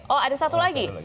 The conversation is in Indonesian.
oh ada satu lagi